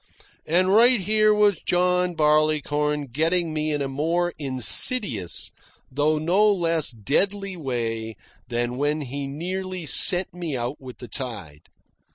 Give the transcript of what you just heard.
And right here was John Barleycorn getting me in a more insidious though no less deadly way than when he nearly sent me out with the tide.